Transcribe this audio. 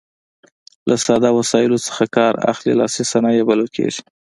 له ساده وسایلو څخه کار اخلي لاسي صنایع بلل کیږي.